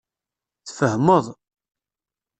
Tfehmeḍ.